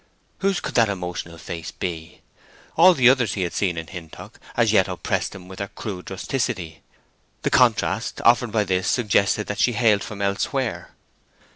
Whose could that emotional face be? All the others he had seen in Hintock as yet oppressed him with their crude rusticity; the contrast offered by this suggested that she hailed from elsewhere.